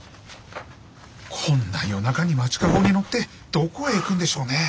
こんな夜中に町駕籠に乗ってどこへ行くんでしょうねえ？